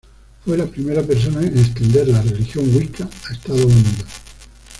Fue la primera persona en extender la religión Wicca a Estados Unidos.